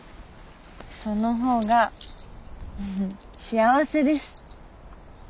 そのほうが幸せです。